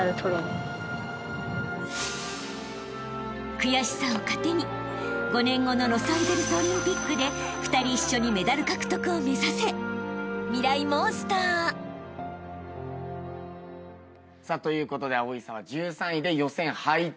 ［悔しさを糧に５年後のロサンゼルスオリンピックで２人一緒にメダル獲得を目指せ！］ということで蒼さんは１３位で予選敗退。